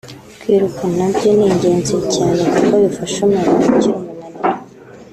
Kwiruka nabyo ni ingezi cyane kuko bifasha umuntu gukira umunariro